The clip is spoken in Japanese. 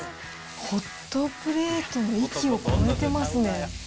ホットプレートの域を超えてますね。